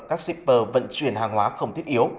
các shipper vận chuyển hàng hóa không thiết yếu